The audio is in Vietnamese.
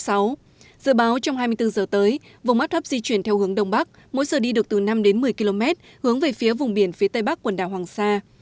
dự báo trong hai mươi bốn giờ tới vùng áp thấp di chuyển theo hướng đông bắc mỗi giờ đi được từ năm đến một mươi km hướng về phía vùng biển phía tây bắc quần đảo hoàng sa